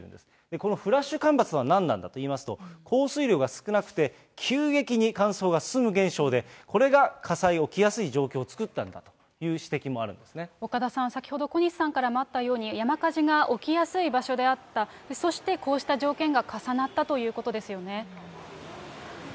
このフラッシュ干ばつとはなんなんだといいますと、降水量が少なくて、急激に乾燥が進む現象で、これが火災が起きやすい状況を作ったんだという指摘もあるんです岡田さん、先ほど小西さんからもあったように、山火事が起きやすい場所であった、そしてこうした条件が重なったということですよね。